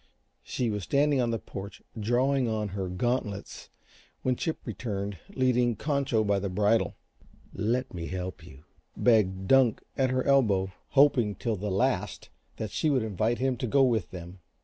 She was standing on the porch drawing on her gauntlets when Chip returned, leading Concho by the bridle. "Let me help you," begged Dunk, at her elbow, hoping till the last that she would invite him to go with them.